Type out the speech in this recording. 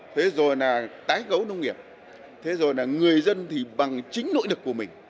thế rồi là tái cấu nông nghiệp thế rồi là người dân thì bằng chính nội lực của mình